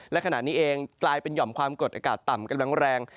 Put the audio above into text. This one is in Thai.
และขณะนี้เองกลายเป็นหย่อมความกดอากาศต่ำกำลังแรง